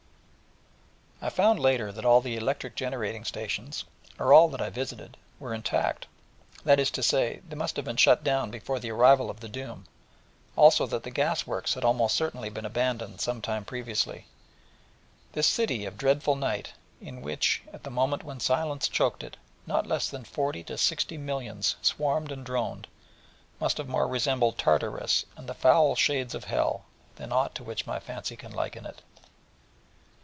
I found later that all the electric generating stations, or all that I visited, were intact; that is to say, must have been shut down before the arrival of the doom; also that the gas works had almost certainly been abandoned some time previously: so that this city of dreadful night, in which, at the moment when Silence choked it, not less than forty to sixty millions swarmed and droned, must have more resembled Tartarus and the foul shades of Hell than aught to which my fancy can liken it.